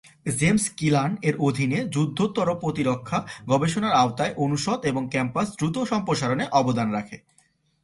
James কিলান-এর অধীনে যুদ্ধোত্তর প্রতিরক্ষা গবেষণা এর আওতায় অনুষদ এবং ক্যাম্পাস দ্রুত সম্প্রসারণে অবদান রাখে।